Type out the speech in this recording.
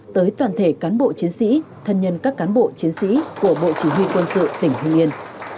tới toàn thể cán bộ chiến sĩ thân nhân các cán bộ chiến sĩ của bộ chỉ huy quân sự tỉnh hưng yên